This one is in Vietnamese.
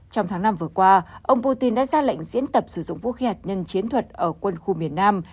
trong tháng năm vừa qua ông putin đã ra lệnh diễn tập sử dụng vũ khí hạt nhân chiến thuật ở quân khu miền nam